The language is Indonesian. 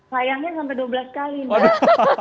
sayangnya sampai dua belas kali mbak